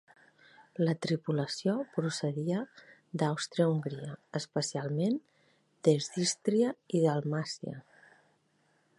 La tripulació procedia d'Àustria-Hongria, especialment des d'Ístria i Dalmàcia.